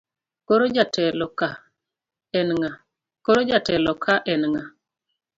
Koro jatelo ka en ng'a?